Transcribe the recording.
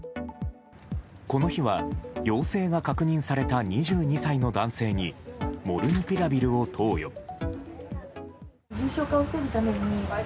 この日は陽性が確認された２２歳の男性にモルヌピラビルを投与。